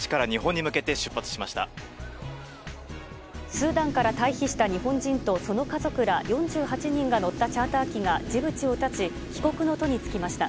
スーダンから退避した日本人とその家族ら４８人が乗ったチャーター機がジブチを発ち帰国の途につきました。